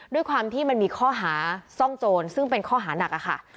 ด้วยความที่มันมีข้อหาซ่องโจรซึ่งเป็นข้อหานักค่ะ